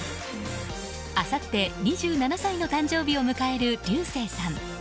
あさって２７歳の誕生日を迎える流星さん。